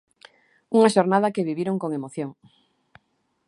Unha xornada que viviron con emoción.